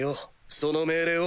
その命令を。